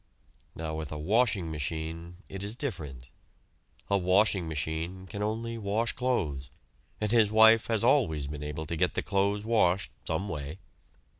Now, with a washing machine it is different. A washing machine can only wash clothes, and his wife has always been able to get the clothes washed some way.